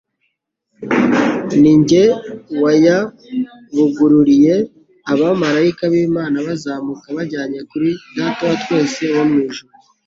Nijye wayabugururiye. Abamaraika b'Imana bazamuka bajyanye kuri Data wa twese wo mu ijuru